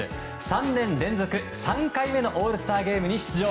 ３年連続３回目のオールスターゲームに出場。